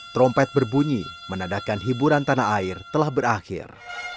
trompet berbunyi menadakan hiburan tanah air telah berakhir